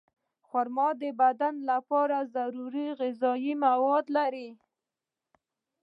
خرما د بدن لپاره ضروري غذایي مواد لري.